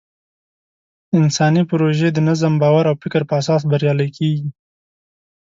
انساني پروژې د نظم، باور او فکر په اساس بریالۍ کېږي.